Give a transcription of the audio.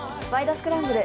スクランブル」